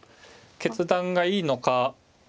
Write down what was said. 決断がいいのか。